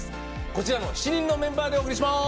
こちらの７人のメンバーでお送りします。